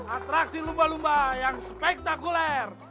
atraksi lumba lumba yang spektakuler